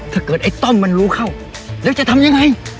ถ้าเกิดไอ้ต้มมันรู้เข้าแล้วจะทำยังไง